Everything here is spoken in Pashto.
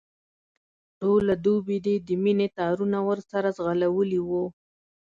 ټوله دوبي دي د مینې تارونه ورسره غځولي وو.